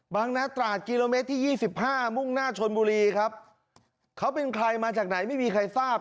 นาตราดกิโลเมตรที่๒๕มุ่งหน้าชนบุรีครับเขาเป็นใครมาจากไหนไม่มีใครทราบ